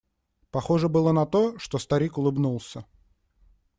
Похоже было на то, что старик улыбнулся.